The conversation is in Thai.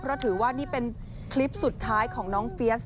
เพราะถือว่านี่เป็นคลิปสุดท้ายของน้องเฟียส